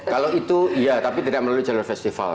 kalau itu iya tapi tidak melalui jalur festival